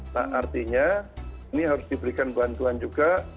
nah artinya ini harus diberikan bantuan juga